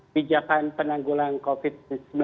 bijakan penanggulangan covid sembilan belas